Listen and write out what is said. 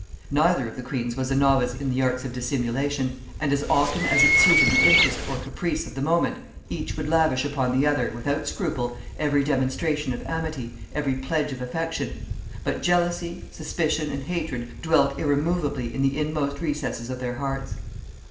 Neither of the queens was a novice in the arts of dissimulation, and as often as it suited the interest or caprice of the moment, each would lavish upon the other, without scruple, every demonstration of amity, every pledge of affection; but jealousy, suspicion, and hatred dwelt irremoveably in the inmost recesses of their hearts.